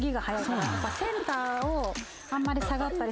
センターをあんまり下がったり。